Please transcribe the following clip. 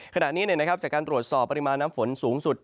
ขณะนี้จากการตรวจสอบปริมาณน้ำฝนสูงสุด